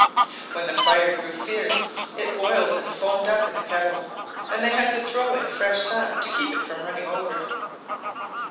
When the fire grew fierce, it boiled and foamed up in the kettle, and they had to throw in fresh sap to keep it from running over.